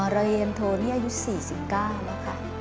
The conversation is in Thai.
เรียนโทนี่อายุ๔๙แล้วค่ะ